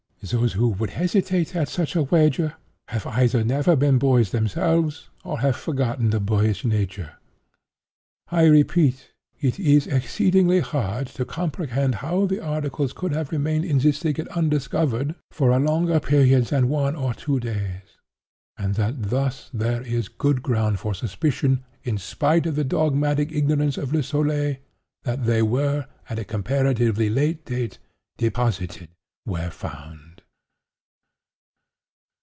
Those who would hesitate at such a wager, have either never been boys themselves, or have forgotten the boyish nature. I repeat—it is exceedingly hard to comprehend how the articles could have remained in this thicket undiscovered, for a longer period than one or two days; and that thus there is good ground for suspicion, in spite of the dogmatic ignorance of Le Soleil, that they were, at a comparatively late date, deposited where found.